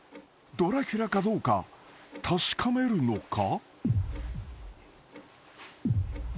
ドラキュラかどうか確かめるのか？］